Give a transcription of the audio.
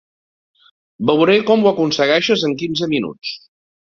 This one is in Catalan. Veuré com ho aconsegueixes en quinze minuts.